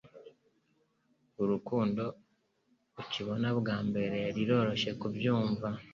Urukundo ukibona mbere biroroshye kubyumva;